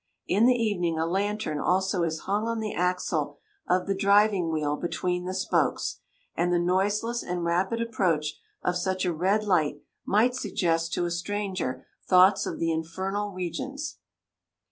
In the evening a lantern also is hung on the axle of the driving wheel between the spokes, and the noiseless and rapid approach of such a red light might suggest to a stranger thoughts of the infernal regions.